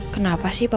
kenapa sih papa